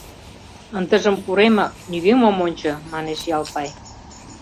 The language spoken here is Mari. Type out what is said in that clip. — Ындыжым пуремак, нигӧм ом ончо, — манеш Ялпай.